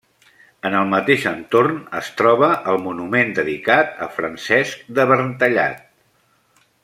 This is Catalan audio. En el mateix entorn es troba el monument dedicat a Francesc de Verntallat.